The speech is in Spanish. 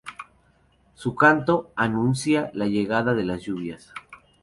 Su canto "anuncia" la llegada de las lluvias.